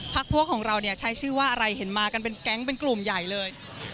พวกของเราเนี่ยใช้ชื่อว่าอะไรเห็นมากันเป็นแก๊งเป็นกลุ่มใหญ่เลย